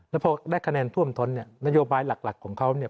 แล้วพอได้คะแนนท่วมท้นเนี่ยนโยบายหลักของเขาเนี่ย